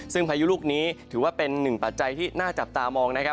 ซึ่งพายุลูกนี้ถือว่าเป็นหนึ่งปัจจัยที่น่าจับตามองนะครับ